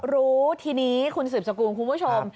รู้ทีนี้คุณสืบสกุลคุณผู้ชม